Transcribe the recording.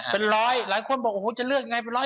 เป็นร้อยหลายคนบอกโอ้โหจะเลือกยังไงเป็นร้อย